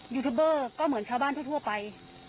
ยูทูบเบอร์ก็เหมือนชาวบ้านทั่วไป